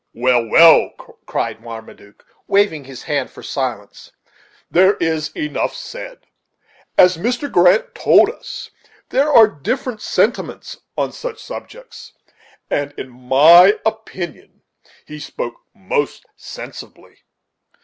"Well, well," cried Marmaduke, waving his hand for silence, "there is enough said; as Mr. Grant told us, there are different sentiments on such subjects, and in my opinion he spoke most sensibly.